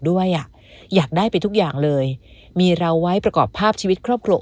ด้วยอ่ะอยากได้ไปทุกอย่างเลยมีเราไว้ประกอบภาพชีวิตครอบครัว